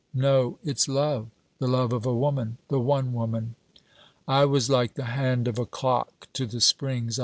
No, it's love: the love of a woman the one woman! I was like the hand of a clock to the springs.